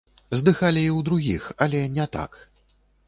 Здыхалі і ў другіх, але не так.